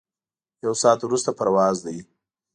یو ساعت وروسته پرواز دی.